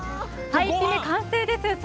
完成です。